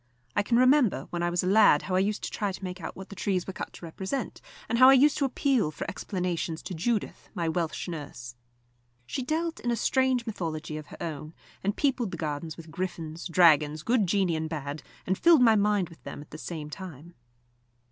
I can remember when I was a lad how I used to try to make out what the trees were cut to represent, and how I used to appeal for explanations to Judith, my Welsh nurse. She dealt in a strange mythology of her own, and peopled the gardens with griffins, dragons, good genii and bad, and filled my mind with them at the same time.